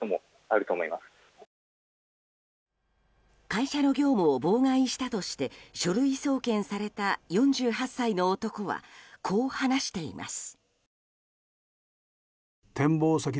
会社の業務を妨害したとして書類送検された４８歳の男はこう話しています。